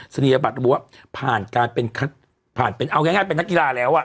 เสนียบัตรหรือบอกว่าผ่านการเป็นเอาง่ายเป็นนักกีฬาแล้วอะ